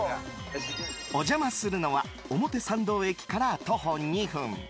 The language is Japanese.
お邪魔するのは表参道駅から徒歩２分。